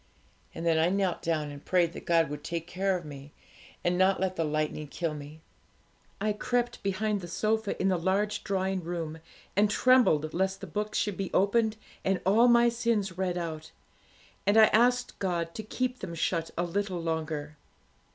And then I knelt down, and prayed that God would take care of me, and not let the lightning kill me. I crept behind the sofa in the large drawing room, and trembled lest the books should be opened, and all my sins read out; and I asked God to keep them shut a little longer.